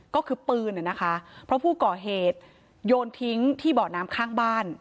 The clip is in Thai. ก็คือปืนนะคะเพราะผู้ก่อเหตุโยนทิ้งที่เบาะน้ำข้างบ้าน